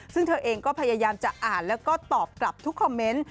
ซึ่งเธอเองก็พยายามจะอ่านแล้วก็ตอบกลับทุกคอมเมนต์